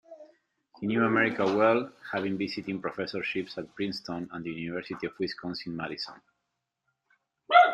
He knew America well, having visiting professorships at Princeton and the University of Wisconsin-Madison.